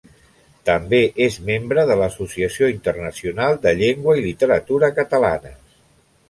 També és membre de l'Associació Internacional de Llengua i Literatura Catalanes.